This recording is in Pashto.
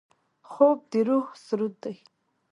خوب د روح سرود دی